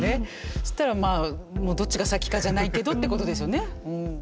したらまあどっちが先かじゃないけどってことですよね。